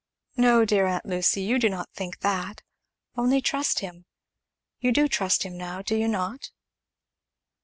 No, dear aunt Lucy you do not think that; only trust him you do trust him now, do you not?"